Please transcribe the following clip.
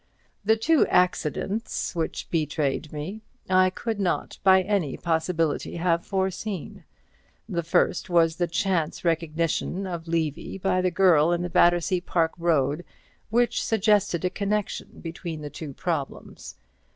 The two accidents which betrayed me, I could not by any possibility have foreseen. The first was the chance recognition of Levy by the girl in the Battersea Park Road, which suggested a connection between the two problems.